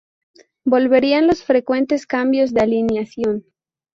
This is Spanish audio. Volverían los frecuentes cambios de alineación.